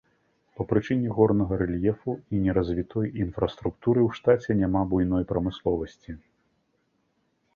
Па прычыне горнага рэльефу і неразвітой інфраструктуры ў штаце няма буйной прамысловасці.